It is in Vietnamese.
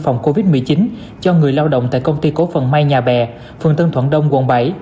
phòng covid một mươi chín cho người lao động tại công ty cố phần may nhà bè phường tân thuận đông quận bảy